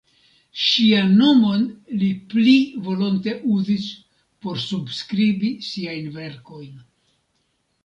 Ŝian nomon li pli volonte uzis por subskribi siajn verkojn.